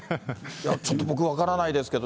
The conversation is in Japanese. いや、ちょっと僕、分からないですけど。